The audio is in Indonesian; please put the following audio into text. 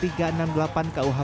dengan ancaman kelimanya